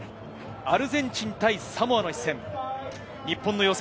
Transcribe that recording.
アルゼンチン対サモアの一戦、日本の予選